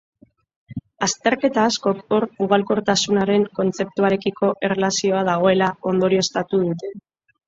Azterketa askok, hor, ugalkortasunaren kontzeptuarekiko erlazioa dagoela ondorioztatu dute.